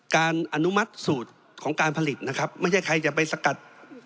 อนุมัติสูตรของการผลิตนะครับไม่ใช่ใครจะไปสกัด